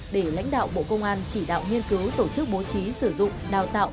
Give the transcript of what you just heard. để lãnh đạo bộ công an chỉ đạo nghiên cứu tổ chức bố trí sử dụng đào tạo